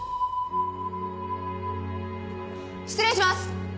失礼します！